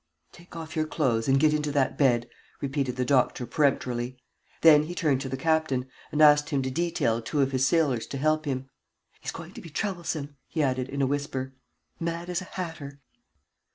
"Take off your clothes and get into that bed," repeated the doctor, peremptorily. Then he turned to the captain and asked him to detail two of his sailors to help him. "He's going to be troublesome," he added, in a whisper. "Mad as a hatter."